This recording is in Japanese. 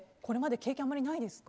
経験あまりないですか。